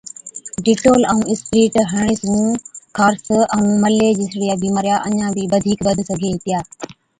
ڊيٽول ائُون اِسپرِيٽ هڻڻي سُون خارس ائُون ملي جِسڙِيا بِيمارِيا اڃا بِي بڌِيڪ بِڌ سِگھي هِتِيا۔